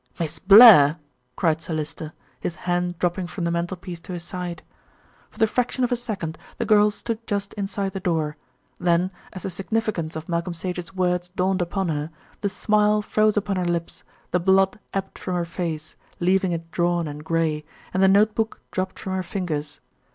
"Miss Blair!" cried Sir Lyster, his hand dropping from the mantelpiece to his side. For the fraction of a second the girl stood just inside the door; then as the significance of Malcolm Sage's words dawned upon her, the smile froze upon her lips, the blood ebbed from her face, leaving it drawn and grey, and the notebook dropped from her fingers.